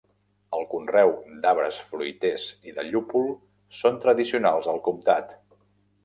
El conreu d'arbres fruiters i de llúpol són tradicionals al comtat.